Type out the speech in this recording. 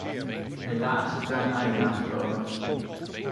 Helaas is daar een einde aan gekomen.